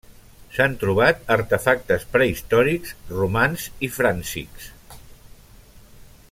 S'han trobat artefactes prehistòrics, romans i fràncics.